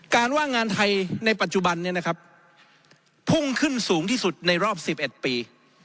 ว่างงานไทยในปัจจุบันนี้นะครับพุ่งขึ้นสูงที่สุดในรอบ๑๑ปี